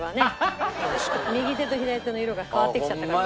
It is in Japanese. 右手と左手の色が変わってきちゃったから。